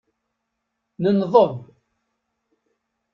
Nenḍeb.